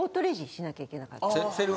しなきゃいけなかったり。